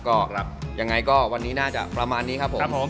ก็ยังไงก็วันนี้น่าจะประมาณนี้ครับผม